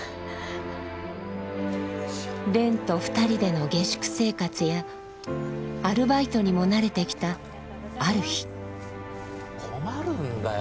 蓮と２人での下宿生活やアルバイトにも慣れてきたある日困るんだよ